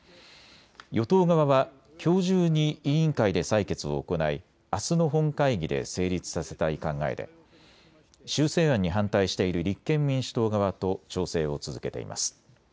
与党側はきょう中に委員会で採決を行い、あすの本会議で成立させたい考えで修正案に反対している立憲民主党側と調整を続けています。